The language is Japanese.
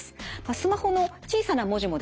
スマホの小さな文字もですね